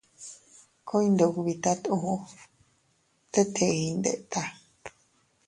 Ku iyndubitat uu, tet ii iyndeta.